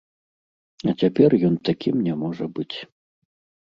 А цяпер ён такім не можа быць.